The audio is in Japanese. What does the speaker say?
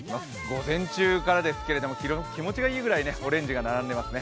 午前中からですけれども、気持ちがいいぐらいオレンジが並んでいますね。